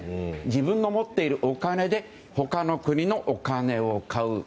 自分の持っているお金で他の国のお金を買う。